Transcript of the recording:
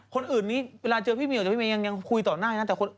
คนอื่นนี้เวลาเจอพี่มีดกับพี่มีนยังคุยต่อหน้าอย่างนั้น